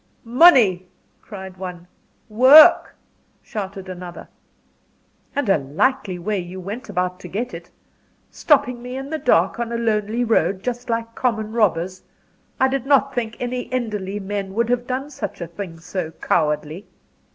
"Money," cried one. "Work," shouted another. "And a likely way you went about to get it! Stopping me in the dark, on a lonely road, just like common robbers. I did not think any Enderley men would have done a thing so cowardly."